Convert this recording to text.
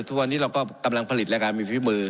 ทุกวันนี้เราก็กำลังผลิตรายการมีฝีมือ